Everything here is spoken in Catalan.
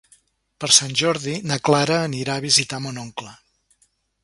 Per Sant Jordi na Clara anirà a visitar mon oncle.